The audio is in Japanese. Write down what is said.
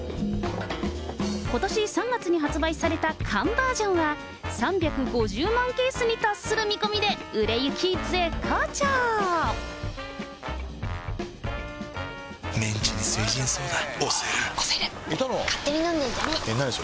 ことし３月に発売された缶バージョンは、３５０万ケースに達する見込みで、売れ行き絶好調。